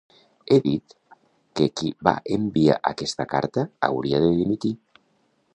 He dit que qui va enviar aquesta carta hauria de dimitir.